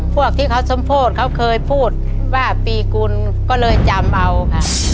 พวกที่เขาสมโพธิเขาเคยพูดว่าปีกุลก็เลยจำเอาค่ะ